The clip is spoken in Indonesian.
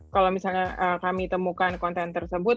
kalau misalnya kami temukan konten tersebut